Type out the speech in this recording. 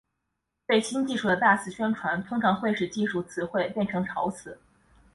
对新技术的大肆宣传通常会使技术词汇变成潮词。